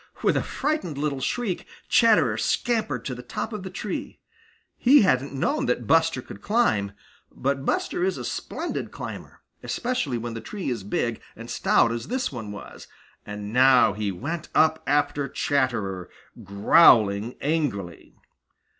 With a frightened little shriek Chatterer scampered to the top of the tree. He hadn't known that Buster could climb. But Buster is a splendid climber, especially when the tree is big and stout as this one was, and now he went up after Chatterer, growling angrily.